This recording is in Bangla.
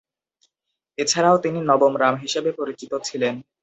এছাড়াও তিনি নবম রাম হিসেবে পরিচিত ছিলেন।